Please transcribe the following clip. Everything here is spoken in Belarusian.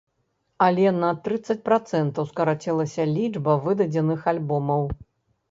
Але на трыццаць працэнтаў скарацілася лічба выдадзеных альбомаў.